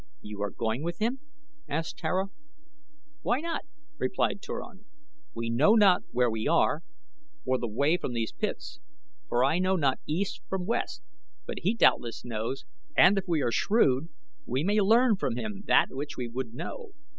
"You are going with him?" asked Tara. "Why not?" replied Turan. "We know not where we are, or the way from these pits; for I know not east from west; but he doubtless knows and if we are shrewd we may learn from him that which we would know.